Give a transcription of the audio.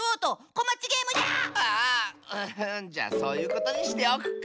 うんじゃあそういうことにしておくか。